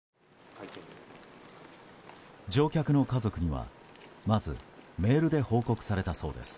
乗客の家族には、まずメールで報告されたそうです。